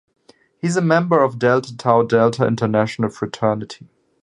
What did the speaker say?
He is a member of Delta Tau Delta International Fraternity.